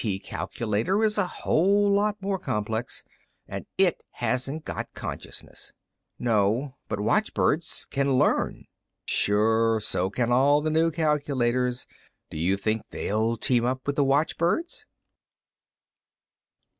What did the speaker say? T. calculator is a whole lot more complex. And it hasn't got consciousness." "No. But the watchbirds can learn." "Sure. So can all the new calculators. Do you think they'll team up with the watchbirds?"